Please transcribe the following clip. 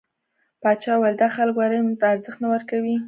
پاچا وويل: دا خلک ولې علم ته ارزښت نه ورکوي .